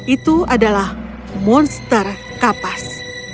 itu adalah monster kapas